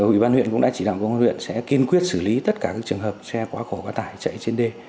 hủy ban huyện cũng đã chỉ đạo công an huyện sẽ kinh quyết xử lý tất cả các trường hợp xe quá khổ quá tài chạy trên đê